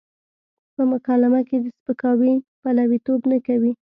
په مکالمه کې د سپکاوي پلويتوب نه کوي.